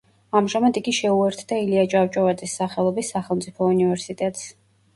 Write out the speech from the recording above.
ამჟამად იგი შეუერთდა ილია ჭავჭავაძის სახელობის სახელმწიფო უნივერსიტეტს.